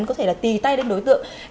có thể là tì tay lên đối tượng